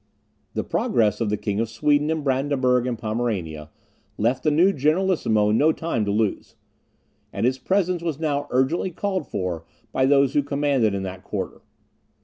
The progress of the King of Sweden in Brandenburg and Pomerania, left the new generalissimo no time to lose; and his presence was now urgently called for by those who commanded in that quarter.